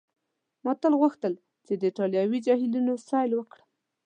ما تل غوښتل چي د ایټالوي جهیلونو سیل وکړم.